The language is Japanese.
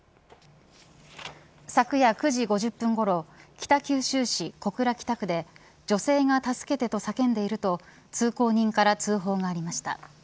昨夜９時５０分ごろ北九州市小倉北区で女性が助けてと叫んでいると通行人から通報がありました。